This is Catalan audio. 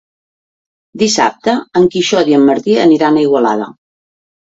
Dissabte en Quixot i en Martí aniran a Igualada.